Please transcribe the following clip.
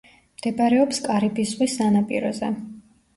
მდებარეობს კარიბის ზღვის სანაპიროზე.